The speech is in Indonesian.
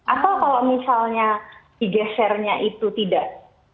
atau kalau misalnya digesernya itu tidak